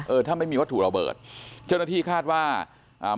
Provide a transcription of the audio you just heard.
เออถ้าไม่มีวัตถุระเบิดเจ้าหน้าที่คาดว่าอ่า